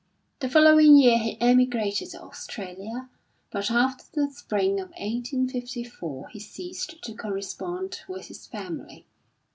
The following year he emigrated to Australia; but after the spring of 1854 he ceased to correspond with his family.